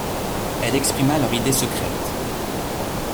Elle exprima leur idée secrète.